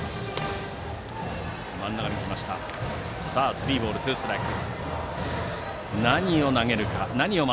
スリーボールツーストライク。